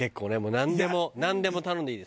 「なんでもなんでも頼んでいいです」。